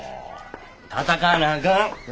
闘わなあかん！